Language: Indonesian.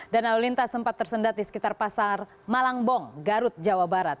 dan alulinta sempat tersendat di sekitar pasar malangbong garut jawa barat